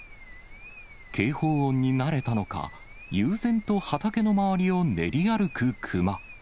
警報音に慣れたのか、悠然と畑の周りを練り歩くクマ。